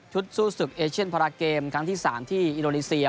ชุดซู่ซุคเฮชใช่พราเกมครั้งที่สามที่อินโดรีเซีย